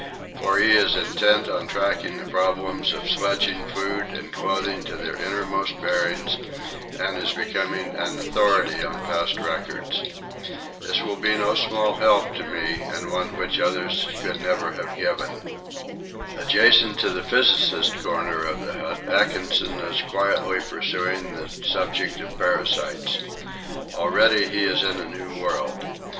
For he is intent on tracking the problems of sledging food and clothing to their innermost bearings and is becoming an authority on past records. This will be no small help to me and one which others never could have given. Adjacent to the physicist's corner of the hut Atkinson is quietly pursuing the subject of parasites. Already he is in a new world.